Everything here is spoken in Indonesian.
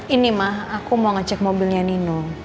ini mah aku mau ngecek mobilnya nino